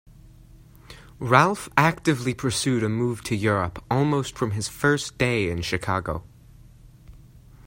Ralph actively pursued a move to Europe almost from his first day in Chicago.